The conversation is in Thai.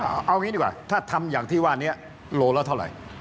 เอาอย่างนี้ดีกว่าถ้าทำอย่างที่ว่านี้โลแล้วเท่าไร